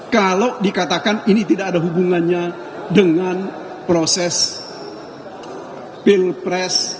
kalau dikatakan ini tidak ada hubungannya dengan proses pilpres